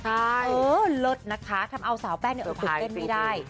เออเลิศนะคะทำเอาสาวแป้งในอุปกรณ์ไม่ได้